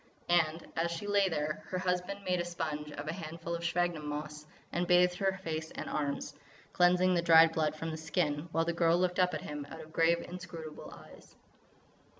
And, as she lay there, her husband made a sponge of a handful of sphagnum moss, and bathed her face and her arms, cleansing the dried blood from the skin, while the girl looked up at him out of grave, inscrutable eyes.